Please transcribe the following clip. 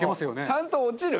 ちゃんと落ちる？